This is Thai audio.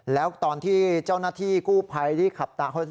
แล้วตอนที่เจ้าหน้าที่กู้ภัยที่ขับตา